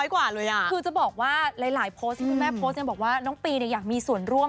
คือจะบอกว่าหลายโพสต์ที่คุณแม่โพสต์ยังบอกว่าน้องปีเนี่ยอยากมีส่วนร่วม